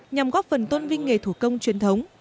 nhằm góp phần tôn vinh nghề thủ công truyền thống